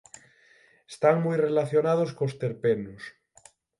Están moi relacionados cos terpenos.